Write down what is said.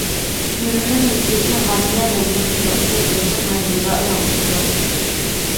مېڭىنىڭ يېتىلىشى ھامىلە مەزگىلىدىن باشلىنىپ ياشلىق مەزگىلىدە ئاياغلىشىدۇ.